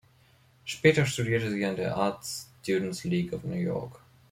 Später studierte sie an der Art Students League of New York.